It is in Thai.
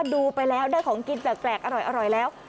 ได้ของกินแปลกอร่อยแล้ว